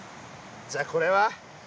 じゃあこれは？